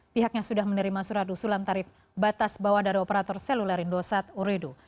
pihaknya sudah menerima surat usulan tarif batas bawah dari operator seluler indosat uredo